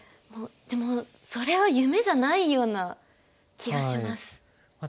もうでもそれは夢じゃないような気がします。